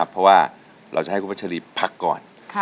เพราะว่าเราจะให้คุณพัชรีพักก่อน